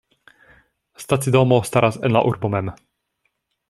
Stacidomo staras en la urbo mem.